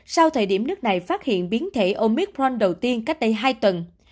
sau thời điểm nước này phát hiện biến thể omicron đầu tiên cách đây hai tuần